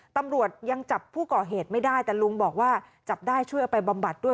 ตำรวจยังจับผู้ก่อเหตุไม่ได้แต่ลุงบอกว่าจับได้ช่วยเอาไปบำบัดด้วย